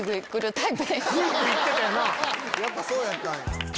やっぱそうやったんや。